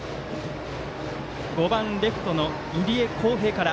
５番レフトの入江航平から。